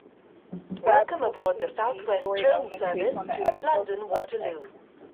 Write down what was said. This episode contains many story elements based on episodes of "Star Trek".